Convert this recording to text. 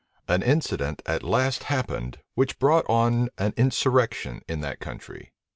An incident at last happened, which brought on an insurrection in that country.